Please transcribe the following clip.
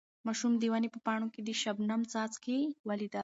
ماشوم د ونې په پاڼو کې د شبنم څاڅکي ولیدل.